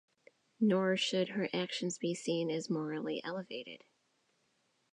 Nor should her actions be seen as morally elevated.